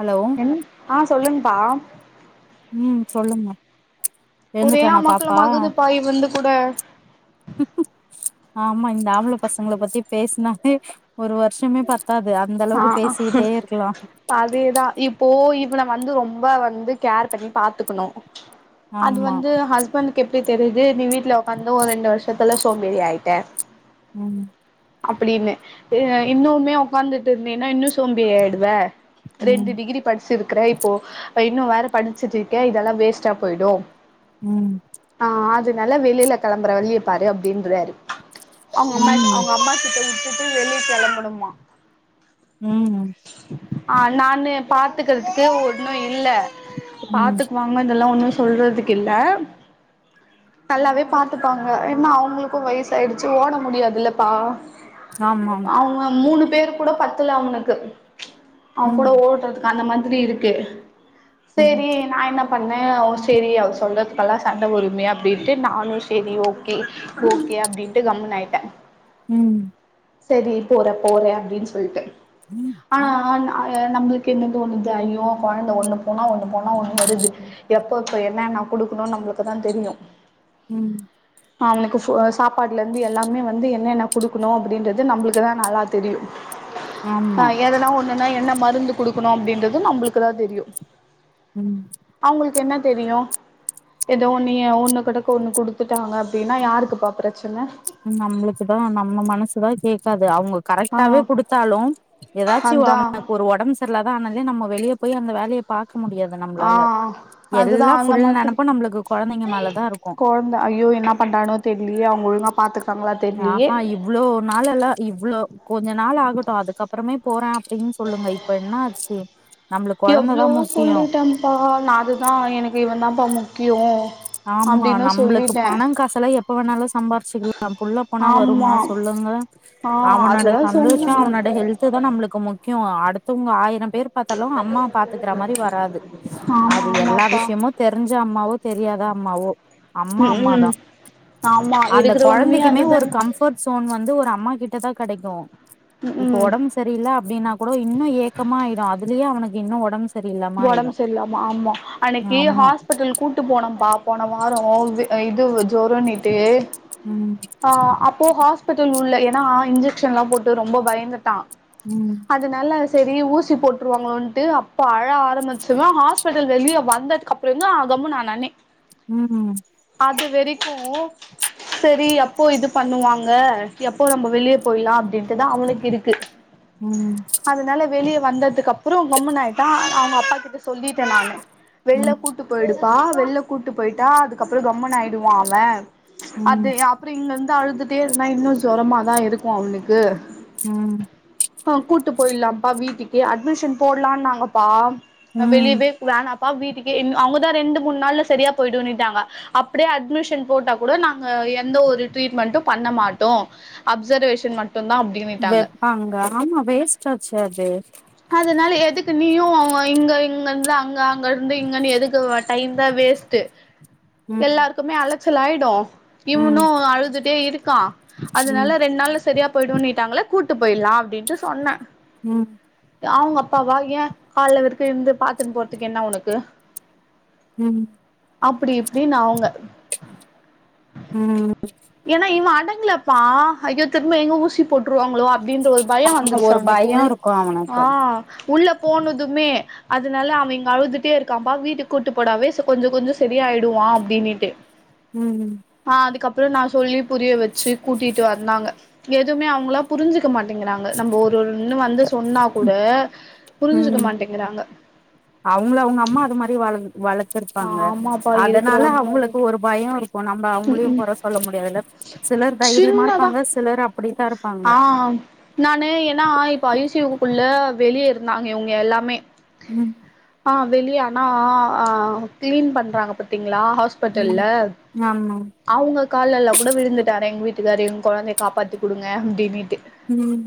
hello என்ன ஆஹ் சொல்லுங்கபா உம் சொல்லுங்க ஒரே எழுந்துட்டானா பாப்பா அமக்களமாகுது பாய வந்து கூட ஆமா இந்த ஆம்பள பசங்கள பத்தி பேசுனாலே ஒரு வருஷமே ப ஆஹ் அதே தா இப்போ இ இப்ப நம்ப வந்து ரொம்ப வந்து கேர் பண்ணி பாத்துக்கணும் அது ஆமா வந்து ஹஸ்பண்ட் எப் தெரிது நீ வி ட் ல ஒக்காந்து ஒரு ரெண்டு வருஷ ல சோம்பேறி ஆயிட்டேன் உஹம் அப்படின்னு அ இன்னுமே உக்காந்து இருந்தீன்னா இன்னும் சோம்பி ஆயிடுவ ம் ரெண்டு டிகிரி படிச்சிருக்கற இப்போ இப்ப இன்னும் வேற படிச்சுட்டு இருக்க இதெல்லா வேஸ்டா போயிடும் ம் ஆஹ் அது நல்லா வெளில கெளம்பற வழியப்பாரு அப்டின்றாரு அவங்க அம்மா ம் அவங்க அம்மா கிட்ட விட் ட்டு வெளிய கெளம்பணுமா உம் ம் ஆஹ் நானு பாத்துக்கறதுக்கு ஒண்ணு இல்ல ம் பாத்துக்குவாங்க இதெல்லா ஒண்ணும் சொல்றதுக்கு இல்ல நல்லாவே பாத்துப்பாங்க ஏன்னா அவங்களுக்கும் வயச ஆயிடுச்சு ஓட முடியாது இல்லப்பா ஆமா அவங்க மூணு பேர் கூட பத்துல அவனுக்கு அவன் ம் கூட ஓடுறதுக்கு அந்த மா அப்டி இருக்கு ம் சேரி நா என்னப் பண்ணே ஓ சேரி அவர் சொல்றதுக்கல்லா சண்ட ஒருமே அப்டின்ட்டு நானு சேரி ஓகே ஓகே அப்டின்ட்டு கம்முன் ஆய்ட்ட உம் சரி போற போறே அப்டின் ஸ் சொல்ட் வ நம்ளுக் என்னது ஒண்ணுதா ஐயோ கொழந்த ஒண்ணு போனா ஒண்ணு போனா ஒண்ணு வருது எப்ப இப்ப என்ன என்ன குடுக்குணு நம்ளுக்குதா தெரியு உம் அவனுக்கு ஃபோ சாப்பாடுல இருந்து எல்லாமே வந்து என்னென்ன குடுக்குணு அப்டின்றது நம்ளுக்குதா நல்லா தெரியு ஆமா ஆஹ் எதனா ஒண்ணுனா என்ன ம ருந்து குடுக்குணு அப்டின்றது நம்ளுக்குதா தெரியு ம் அவுங்ளுக்கு என்ன தெரியு எதோ ஒன்னு ஏ ஒன்னு கடக்கு ஒன்னு குடுத்துட்டாங்க அப்டின்னா யாருக்குப்பா பிரச்சன நம்ளுக்குதா நம்ம மனசுதா கேக்கா து அவுங்க ஆ கரெட்டாவே குடுத்தாலு எதாச்சு அதா வாமனார்க்கு ஒரு ஒடம் ச நல்லாதா ஆனாலே நம்மோ வெளிய போய் அந்த வேலிய பாக் ஆஹ் அதுதா அந்த ஃபுல் மாதிரி நெனப்பு நம்மளுக்கு கொழந்தைங்க மேலதா இருக்கு கொழ்ந்த ஐயோ என்ன பண்றானோ தெர்லியே அவுங்க ஒழுங் ஆ பாத்து நா ஹா இவ்ளோ நாள் எல்லா இவ்ளோ கொஞ்ச நாள் ஆகு டு அதுக்கப்புறமே போற டின் சொல்லுங்க இப்ப என்னாச்சு எவ்ளோவோ சொல்லிட்டன் ப்பா நா அதுதா எனக்கு இவன் தா பா முக்கியோ ஆமா அப்டின்னு நம்ளுக்கு சொல்லிட்டே பண காசலா எப்ப வேணாலு சம்பார்ச்சுக்குலா புள்ள போனா வருமா ஆமா சொல்லுங்க ஆ அவனோட அதுதா சொன்னே சந்தோஷோ அவனோட நானு ஹெல்து தா நம்ளுக்கு முக் கியோ அடுத்தவ்ங்க ஆயிரம் பேர் பாத்தாலு அம்மா பாத்துக்கிற மாரி வராது ஆமா அது எல்லா ஆமாப்பா விஷ்யமு தெரிஞ்ச அம்மாவோ தெரியாதா அம்மாவோ அம்மா ம் அம்மா ம் தா ஆமா அந்த இருக்குற உண்மையே கொழந்தைக்குமே ஒரு அதுதான கம்ஃபர்ட் சோன் வந்து ஒரு அம்மா கிட்ட தா கெடைக்கு ம் இப்போ ம் ஒடம் சரியில்ல அப்டின்னா கூடோ இன்னு ஏக்கமா ஆய்ரு அதுலியே அவனுக்கு இன்னு ஒடம் ஒடம்பு சரில்லாமா ஆமா அன்னைக்கி ஆமா ஹாஸ்பிட்டல் கூட்டு போனம் பாப்போ நா வாரோ வெ அ இதுவு ஜொரோணிட்டு ம் ஆஹ் அப்போ ஹோஸ்பிட்டல் உள்ள னா இன்ஜெக்ஷன் லாம் போட்டு ரொம்ப பயந்துட்டான் ம் அதுனால்ல செரி ஊசி போட்ருவாங்களோன்ட்டு அப்ப அழ ஆரம்பிவன் ஹாஸ்பிட்டல் வெளிய வந்ததுக்கு அப்றந் தா கம்முனு ஆனானே ம் அது வெறிக்கும் செரி அப் ப்போ இது பண்ணுவாங்க எப்போ நம்ம வெளிய போயிலா அப்டின்ட்டுதா அவனுக் இருக்கு ம் அதனால வெளிய வந்ததுக் அப்புறோ கம்முனு ஆயிட்டா அவ்ங்க அப்பா கிட்ட சொல்லீட்டேன் நானு வெள்ல ம் கூட்டு போயிடு பா வெள்ல கூட்டு போயிட்டா அதுக்கப்றோ கம்முனு ஆயிடுவான் அவென் ம் இங்க அந்து அழுதுட்டே இருந்த இன்னு ஜொரமா தா இருக்கு அவுனுக்கு ம் ட்டு போயிட்லாம்ப்பா வீட்டுக்கு அட்மிஷன் போட்லா நாங்கப்பா ம் வெளியவே வேனா வீட்டுக்கே அவ்ங்க தா ரெண்டு மூண் நாள்ல செரியா போயிடுனுட்டாங்க அப்டியே அட்மிஷன் போட்டா கூட நாங்க எ எந்த ஒரு ட்ரீட்மெண்டு பண்ண மாட்டோ அப்சர்வேஷன் மட் வெப்பாங்க ஆமா வேஸ்டாச்சு அது துக்கு நீயு இங்க இங்கந்து அங்க அங்க ர்ந்து இங்க நீ எதுக்கு டைம் தா வேஸ்ட்டு ம் எல்லார்க்குமே அல ச்சுலாய்டு இவனு ம் அழுதுட்டே இரு கா ம் அதனால ரெண் நாள்ல செரியா போயிடுனிட்டாங்கள கூட்டு போயிட்லா அப்டின்ட்டு சொன்னே ம் அவ்ங்க அப்பாவா ஏன் கால்ல விற்கு இருந்து பாத்து போறதுக்கு என்ன உனக்கு ம் அப்டி இப்டின்னு அவ்ங்க ம் ங்களப்பா ஐயோ திர்ம்ப எங்க ஊசி போட்டு வாங்களோ அப்டின்ற ஒரு பயொ ஆமா வந்துருச்சு ஒரு அவனுக்கு பயோ உள் இருக்கு அவனுக்கு ஆஹ் உள்ள போனதுமே அதனால அவன் இங்க அழுதுட்டே இருக்கான்ப்பா வீட்டுக்கு கூட்டு போடாவே கொஞ்சொ கொஞ்சொ சரியாயிடுவான் அப்டின்னுட்டு ம் ஆஹ் அதுக்கப்றொ நா சொல்லி புரிய வெச்சு கூட்டிட்டு வந்தாங்க எதுமே அவ்ங்ளா புரிஞ்சுக்க மாட்டிங்கிறாங்க நம்ம ஒரு ஒரு இன்னு வந்து சொன்னா கூட புரிஞ்சுக்க ம் மாட்டேங்கிறாங்க அவங்கள அவங்க அம்மா அது மாரி வழங்கு வளர்த்துருப்பாங்க ஆமாப்பா இருக்கிற அதனால உண்ம இது அவங்களுக்கு ஒரு பயருக்கும் நம்ம அவங்களையும் வர சொல்ல முடியாதுல சிலர் தைரியமா சின்னதா ருப்பாங்க சிலர் அப்படித்தா ருப்பாங்க ஆ வெளியே இருந்தாங்க இவங்க எல்லாமே உம் ஆ வெளிய ஆனா கிளீன் பண்றாங்க பத்தீங் ம் ஹாஸ்பிட்டல்ல ஆமா அவங்க காலெல்லா கூட விழுந்துட்டாரு எங்க வீட்டுக்கார்ரு எங்க குழந்தைய காப்பாத்தி குடுங்க அப்டின்னுட்டு உம்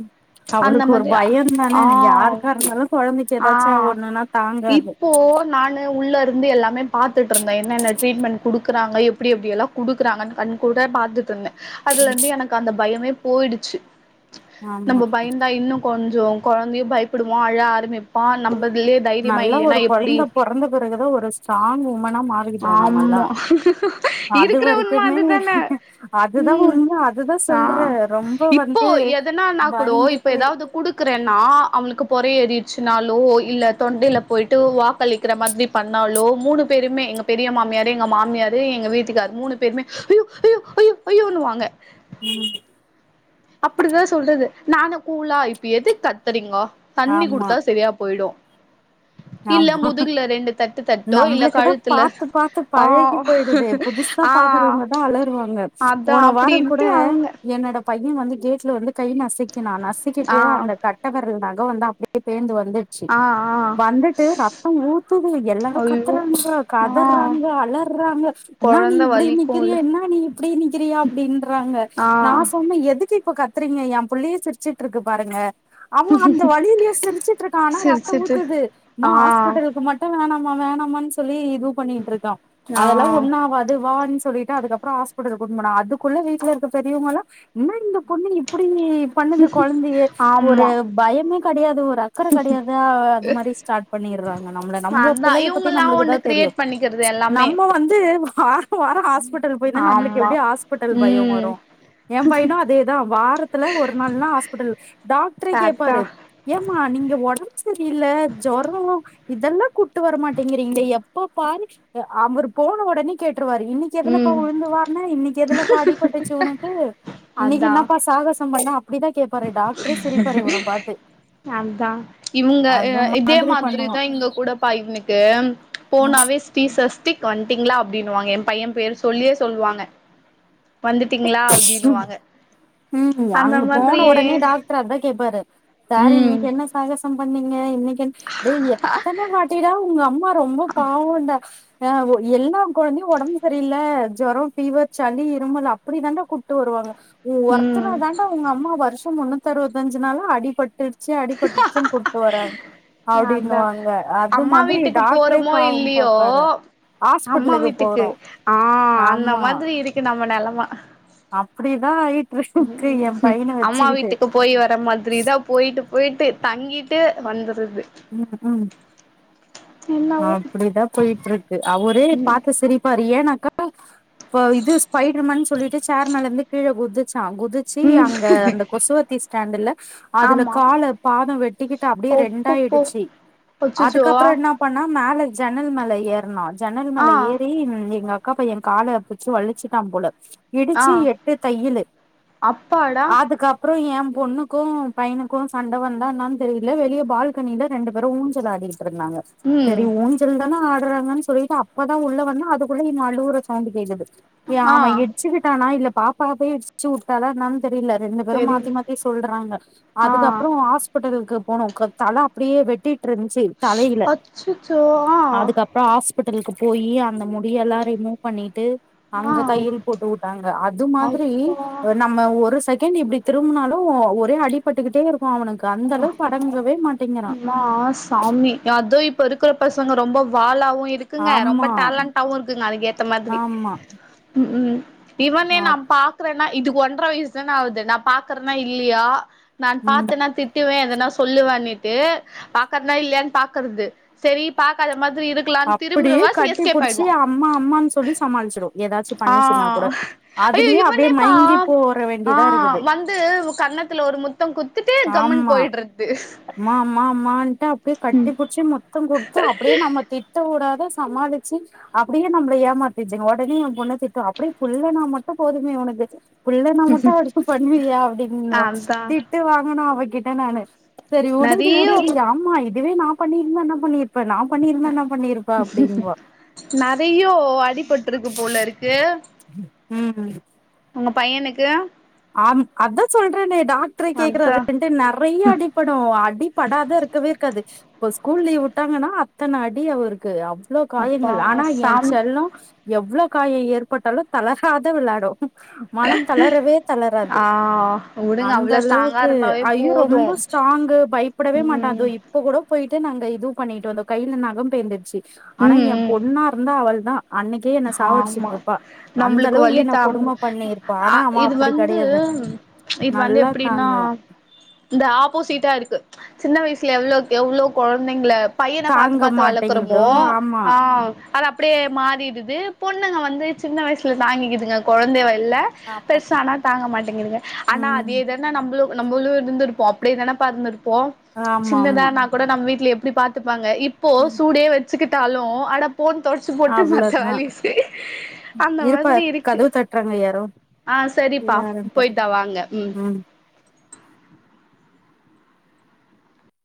அந்த அவருக்கு ஒரு மாதிரி பயந்தானே ஆ யாருக்கா ருந்தாலும் குழந்தக்கி ஆ ஏதாச்சும் ஒண்ணுன்னா தாங்காது இப்போ நானு உள்ள இருந்து எல்ல ப பாத்துட்ருந்த என்னென்ன ட்ரீட்மெண்ட் குடுக்குறாங்க எப்படி எப்படியெல்லா குடுக்குறாங்கன்னு கண் கூட பாத்துட்ருந்த அதுலருந்து எனக்கு அந்த பயமே போய்யிடுச்சு ஆமா நம்ம பயந்தா இன்னும் கொஞ்சொ கொழந்தையும் பயப்படுவா அழ ஆரமி நல்லா ஒரு குழந்த பொறந்த பிறகுதா ஒரு தாங்க மா ஆமா அது இருக்குற உண்ம வரைக்குமே அதுதான அதுதா உஹம் உண்ம அதுதா சொல்றே ஆஹ் ரொம்ப இப்போ வந்து எதனா னா கூடோ இப்ப பயந்துட்டு ஏதாவது குடுக்குறேன்னா அவங்ளுக்கு பொறை ஏறிடு சுனாலோ இல்ல தொண்டையில போயிட்டு வா க்களக்கிற மாரி பண்ணாலோ மூணு பேருமே எங் பெரிய மாமியாரு எங்க மாமியாரு எங்க வீட்டுக்காரு மூணு பேருமே ஐயோ ஐயோ ஐயோ யோ ன்னு வாங்க உம் அப்படிதா சொல்றது நானு கூளா இப்ப எதுக் கத்துறீங்கோ தண்ணி ஆமா குடுத்தா சரியா போய்டு ஆமா தட்டு தட்டோ இல்ல நம்மளுக்குதா கழுத்துல பாத்து பாத்து ஆ பழகி போயிடுதெ புதுசா ஆ பாக்குறவங்கதா அலறுவாங்க அதா போன வாரம் கூட அப்டின்ட்டு அவங்க என்னோட பைய வந்து கேட்ல வந்து கை நசிக்கிணா நசிக்கிட்டு ஆ அந்த கட்டவரல் வந்து அப்டியே பேந்து வரு ஆஹ் ஆஹ் வந்துட்டு ரத்தம் ஊத்துது எல்லாரும் ஐயோ கத்துறாங்க ஆ கதர்றாங்க அலர்றாங்க இன்னா நீ கொழந்த இப்படி வலிக்குல்ல நிக்கிறியே என்னா நீ இப்படி நிக்கிறியே அப்படின்றாங்க ஆ நா சொன்ன எதுக்கு இப்ப கத்துறீங்க ஏ புள்ளையே சிரிச்சுட்ருக்கு பாருங்க அவ அந்த வழியிலயே சிரிச்சுட்ருக்கா ஆனா ரத்த சிரிச்சிட்டு த்துது ம்மா ஆ ஹாஸ்பிட்டலுக்கு மட்டு வேணா மா வேணாமானு சொல்லி இது பண்ணிட்டு இருக் கா ஆ அதெல்லா ஒண்ணாவாது வா சொல்லிட்டு அதுக்கப்றோ ஹாஸ்பிடல் கூப்ட்டு போன அதுக்குள்ள வீட்ல இருக்க பெரியவங்க எல்லா என்ன இந்த பொண்ணு இப்டி பண்ணுது கொழந்தைய ஒரு ஆமா பயமே கெடையாது ஒரு அக்கர கெடையாது ஒரு மாரி ஸ்டாட் பண்ணிற்றாங்க நம்மள நம்ம அதா புள்ளய பத்தி இவங்கல்லா நம்மளுக்குதா ஒண்ணு தெரியும் கிரியேட் பண்ணிக்கிறது எல்லாமே நம்ம வந்து ஆறு வாரோ ஹாஸ்பிட் எல்லாரு போய்ந்தா நம்மளுக்கு ஆமா எப்டியு ஹாஸ்பிட்டல் பயோ ம் வரு எ பையனு‌ அதேதா வாரத்துல ஒரு நாள்னா ஹாஸ்பிடல் டாக்ட்ரே கேப்பாரு பாத்தா ஏமா நீங்க ஓடம்பு சரி இல்ல ஜோரோ இதெல்லா கூட்டு வரமாட்டேங்குறீங்களே எப்ப பாரு அவர் போன ஒடனே கேட் ருவாரு இன்னிக்கு எதுலபா ம் உழுந்து வார்ன இன்னைக்கி எதுலபா அடிபட்டுச்சு உனக்கு இன்னைக்கி அதா என்னப்பா சாகசம் பண்ண அப்டிதா கேப் அதா இவங்க அந்த இதே மாதிரி பண்ணுவா தா இங்க கூட பா இவனுக்கு ம் போனாவே ஸ்டீஸ் சஸ்திக் வண்ட்டீங்ளா அப்டின்னுவாங்க எ பைய பேரு சொல்லியே சொல்லுவாங்க வந்துட்டீங்களா அப்டின்னுவாங்க அந்த மாதிரியே ட்ரு அதா கேப்பாரு சார் ம் இன்னிக்கு என்ன சாக சம் பண்ணீங்க இன்னைக்கு என் டேய் எத்தன வாட்டிடா உங்க அம்மா ரொம்ப பாவோண்டா ஆ எல்லா கொழந்தையு ஒடம்பு சரியில்ல ஜோரோ ஃபீவர் சளி இருமல் அப் ப்டி தாண்டா கூட்டு வருவாங்க உ ம் ஒருத்தர தாண்டா உங்க அம்மா வருஷம் முழுக் தறுவத்தஞ்சு நாளு அடிபட்டு அதா அப்டின்னுவாங்க அது அம்மா மாதிரி வீட்டுக்கு டாக்டரே போறோமோ பாவம் இல்லியோ பாப்பாரு அம்மா ஹாஸ்பிட்டலுக்கு வீட்டுக்கு போறோ ஆ ‌அந்த ஆமா மாதிரி இருக்கு நம்ம நெலம் ம அப்டிதா இ ம் அம்மா வீட்டுக்கு போய் வர மாதிரி தா போய்ட்டு போய்ட்டு தங்கிட்டு வந்துருது ம் ம் என்னவோ அப்டிதா போய்ட்டுருக்கு அவரே பாத்து சிரிப்பாரு ஏனா இது ஸ்பைடர்மேன் சொல்லிட்டு சேர் மேல இருந்து கீழ குதிச்சு டா குதிச்சி ம் அங்க அந்த கொசுவத்தீ ஸ்டண்ட் இல்ல அதுல ஆமா கால பாதம் வெட்டிக்கிட்டு அப்டியே ஒப்பப்போ ரெண்டாயிடுச்சு அச்சச்சோ அதுக்கப்புறோ என்னப் மேல ஜன்னல் மேல ஏர்னார் ஜன்னல் ஆ மேல ஏறி எங்க அக் அக்காப்பையன் காலப் பிச்சு வழிச்சுட்டா போல ஆ இடிச்சு எட்டு தையலு அப்பாடா அதுக்கப்றோ எம் பொண்ணுக்கு பையனுக்கு சண்ட வந்தா என்னான்னு தெரியல வெளிய பால்கனியில ரெண்டு பேரு ஊஞ்சல் ஆடிகிட்டு இருந்தாங்க ம் தெரி ஊஞ்சல் தானே ஆட் றாங்கன்னு சொல்லிட்டு அப்பதா உள்ள வந்த அதுக்குள்ள இவுங்க அழுகுற சவுண்ட் கேக்குது ஏ ஆ ஆமா எச்சுக்கிட்டானா இல்ல பாப்பா போய் இட்சு உட்டாலா என்னான் தெரில ரெண்டு பேரு தெரில மாத்தி மாத்தி சொல்றாங்க ஆ அதுக்கப்புறோ ஹாஸ்பிட்டலுக்கு போனு க தல அப்டியே வெட்டிட்டு ட்ருந்துச்சு தலையில அச்சச்சோ ஆஹ் அதுக்கப்புறோ ஹாஸ்பிட்டலுக்கு போய் அந்த முடிய எல்லா ரிமூவ் பண்ணிட்டு ஆ அங்க தையல் போட்டு உட்டாங்க அது மாதிரி அப்பா நம்ம ஒரு சக்த எங்க இப்டி திரும்புனாலு ஒரே அடிபட்டுக்கிட்டே இருக்கு அவனுக்கு அந்த அளவுக்கு அடங்கு மா சாமி அது இப் இப்ப இருக்கிற பசங்க ரொம்ப வாழாவு இருக்குங்க ரொம்ப ஆமா டேலண்டாவு இருக்குங்க அதுக்க ஏத்த மாதிரி ஆமா உம் இவனே ஆ நா பாக்கறனா இதுக் ஒன்ற வயசு தானே ஆகுது நா பாக்குறனா இல்லயா நான் ம் பாத்தனா திட்டுவே எதுனா சொ சொல்லுவானிட் து பாக்கறனா இல்லயான்னு பாக்குறது செரி பாக்காத மாதிரி இருக்கலான்னு அப்டியே திரும்புறவாசி கட்டிப் எஸ்கேப் புடிச்சு ஆயிடுவா அம்மா அம்மான்னு சொல்லி சமாளிச்சிடு ஏதாச்சு பண்ணுச்சுன்னா கூட ஆ ஐயோ அதுலயே அப்டியே இவனேப்பா மயங்கி போர ஆ வேண்டியதா இருக்குது கத்துட்டே கம்ன் போயிடுறது மா மா ட்டு அப்டியே கட்டி புடிச்சி முத்தோ குடுத்து அப்டியே நம்ம திட்ட கூடாத சமாளிச்சு அப்டியே நம்மள ஏமாத்துசுங்க உடனே எ பொண்ணு திட்டுவா அப்டியே புள்ளனா மட்டு போதுமே உனக்கு புள்ளனா மட்டு அடிக்கு பண்ணுவியா அப்டின்வ அதா தி ஆனா அவகிட்ட நானு செரி உடஞ்சு நெறையோ உடஞ்சு ங்க அம்மா இதுவே நா பண்ணிருந்தா என்ன பண்ணிருப் நெறையோ அடிபட்ருக்கு போல இருக்கு ம் உங்க பையனுக்கு ஆம் அதா சொல்றன்னே டாக்டரே கேக்குறாரு அதா ரெண்ட்டு நெறைய அடிப்படு அடிப்படாதா இருக்கவே இருக்காது இப்ப ஸ்கூல் லீவ் உட்டாங்கன்னா அத்தன அடி அவருக்கு அவ்ளோ அப்பா காயங்கள் ஆனா என் சாமி செல்லோ எவ்ளோ காயோ ஏற்பட்டாலு தளராத வெளாடு மனம் தளரவே தளராது ஆ உடுங்க அந்த அவ்ளோ ஸ்ட்ராங்கா அளவுக்கு இருந்தாவே ஐயோ போது ரொம்ப ஸ்ட்ராங்கு பயப்படவே மாட்டா அதோ ம் இப்ப கூட போய்ட்டு நாங்க இது பண்ணிட்டு வந்தோ கைல நகோ பேந்துருச்சு ஆனா ம் ஏ ம் பொண்ணா இருந்தா அவள் தா அன்னைக்கே என்ன ஆமா சாவடிச்சிட்ருப்பா அந்த நம்பளுக்கு அளவுக்கு வலி என்ன தாங்க கொடும்ம பண்ணிருப்ப அ ஆனா அமா இது வந்து இது வந்து எப்டின்னா தாங்குவா இந்த ஆப்போசிட்டா இருக்கு சின்ன வயசுல எவ்ளோ எவ்ளோ கொழந்தைங்கள தாங்க மாட்டேங்க ஓ ஆ அது அப்டி டே மாறிடுது பொண்ணுங்க வந்து சின்ன வயசுல தாங்கிகுதுங்க கொழந்தை வயசு ல்ல ஆமா பெர்சானா தாங்க மாட்டேங்குதுங்க ஆனா ம் அதே தான நம்ளு நம்மளு இருந்துருப்போ அப்படியே தான பா இருந் போ ஆமா சின்னதா ஆமா நா கூட நம்ம வீட்டு எப்டி பாத்து பாங்க இப்போ சூடே வச் வச்சுக்கிட்டாலு அட போன் தொடச்சு போட்டு மத்த அவ்ளோதா வேலய செய் அந்த இருப்பா மாதிரி இருக்கு கதவு தட்டுறாங்க யாரோ ஆ செரிப்பா யாருன்னு பாத்துட்டு போயிட்டா வாங்க ம்